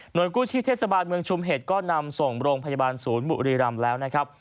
โดยกู้ชีพเทศบาลเมืองชุมเหตุก็นำส่งโรงพยาบาลศูนย์บุรีรำแล้วนะครับ